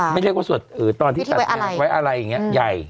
ไม่เรียกว่าสวดอื่นแต่ตอนที่สวดไว้อาลัยอย่างเงี้ยใหญ่